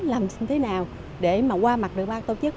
làm thế nào để qua mặt được ban tổ chức